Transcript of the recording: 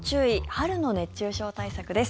春の熱中症対策です。